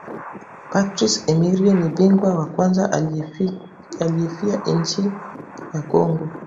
Patrice Emerie ni bingwa wa kwanza aliya fiya inchi ya kongo